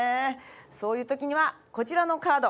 そういう時にはこちらのカード！